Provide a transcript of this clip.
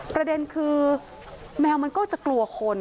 ประเด็นคือแมวมันก็จะกลัวคน